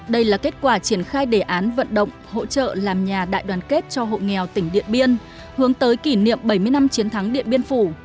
đây là kết quả triển khai đề án vận động hỗ trợ làm nhà đại đoàn kết cho hộ nghèo tỉnh điện biên hướng tới kỷ niệm bảy mươi năm chiến thắng điện biên phủ